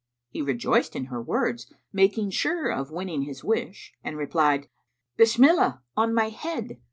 He rejoiced in her words, making sure of winning his wish, and replied, "Bismillah! On my head!"